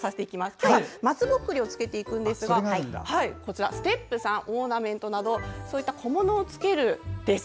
今日は松ぼっくりをつけていくんですがステップ３オーナメントなどそういった小物をつけるです。